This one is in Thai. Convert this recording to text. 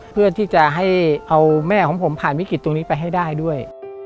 เพื่อที่จะให้เอาแม่ของผมผ่านวิกฤตตรงนี้ไปให้ได้ด้วย